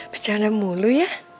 bercanda mulu ya